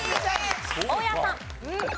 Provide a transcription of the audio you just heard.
大家さん。